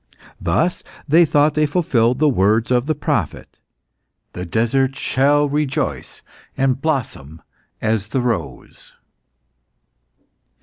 Thus, they thought they fulfilled the words of the prophet, "The desert shall rejoice and blossom as the rose."